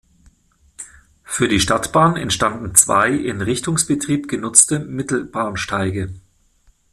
Für die Stadtbahn entstanden zwei im Richtungsbetrieb genutzte Mittelbahnsteige.